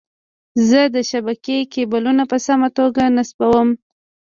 زه د شبکې کیبلونه په سمه توګه نصبووم.